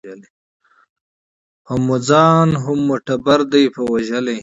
هم مو ځان هم مو ټبر دی په وژلی